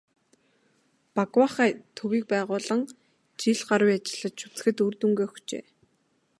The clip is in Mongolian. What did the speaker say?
"Багваахай" төвийг байгуулан жил гаруй ажиллаж үзэхэд үр дүнгээ өгчээ.